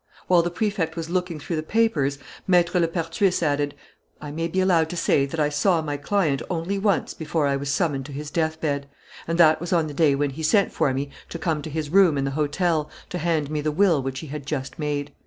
While the Prefect was looking through the papers, Maître Lepertuis added: "I may be allowed to say that I saw my client only once before I was summoned to his death bed; and that was on the day when he sent for me to come to his room in the hotel to hand me the will which he had just made.